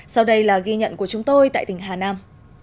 sau đây là ghi nhận của chúng tôi tại tỉnh hà nam